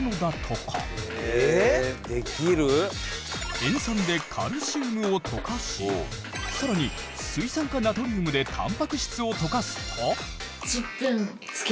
塩酸でカルシウムを溶かしさらに水酸化ナトリウムでたんぱく質を溶かすと。